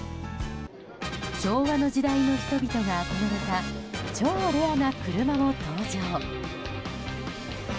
昭和の時代の人々が憧れた超レアな車も登場。